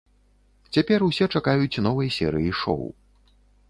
Цяпер усе чакаюць новай серыі шоў.